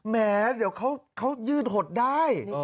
เมื่อเขายืนหดได้